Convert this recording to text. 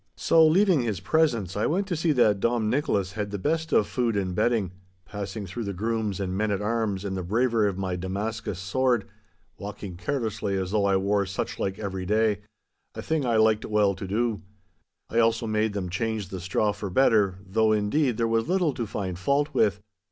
So, leaving his presence, I went to see that Dom Nicholas had the best of food and bedding, passing through the grooms and men at arms in the bravery of my Damascus sword, walking carelessly as though I wore suchlike every day—a thing I liked well to do. I also made them change the straw for better, though, indeed, there was little to find fault with.